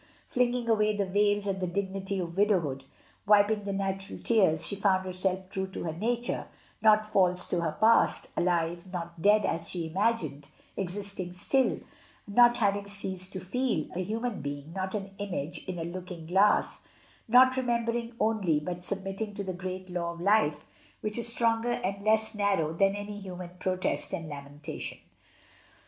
flinging away the veils and the dignity of widowhood, wiping the natural tears, she found herself true to her nature — not false to her past; alive, not dead, as she imagined, existing still, not having ceased to feel, a human being, not an image in a looking glass; not remembering only, but submitting to the great law of life, which is stronger and less narrow than any human protest and lamentation.